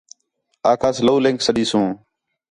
آکھاس لولینک سݙیسوں